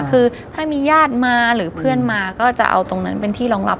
คือถ้ามีญาติมาหรือเพื่อนมาก็จะเอาตรงนั้นเป็นที่รองรับ